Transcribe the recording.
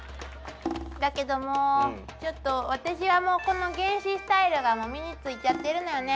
だけどもちょっと私はもうこの原始スタイルが身についちゃっているのよね。